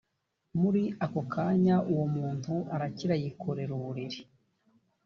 muri ako kanya uwo muntu arakira yikorera uburiri